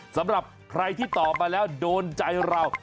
สำหรับใครที่ตอบมาแล้วโดนใจเรา